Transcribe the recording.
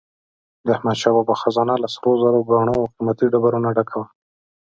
د احمدشاه بابا خزانه له سروزرو، ګاڼو او قیمتي ډبرو نه ډکه وه.